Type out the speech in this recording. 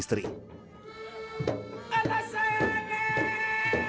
lambang cinta kasih suami ini